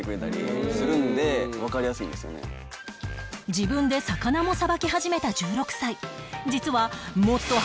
自分で魚もさばき始めた１６歳